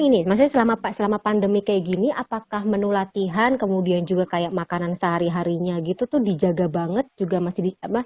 ini maksudnya selama pandemi kayak gini apakah menu latihan kemudian juga kayak makanan sehari harinya gitu tuh dijaga banget juga masih di apa